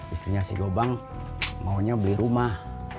istrinya si gobang maunya beli rumah